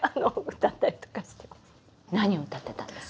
何を歌ってたんですか？